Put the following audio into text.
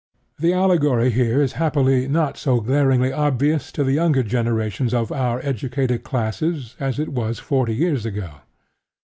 The allegory here is happily not so glaringly obvious to the younger generations of our educated classes as it was forty years ago.